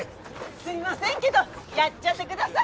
すいませんけどやっちゃってください。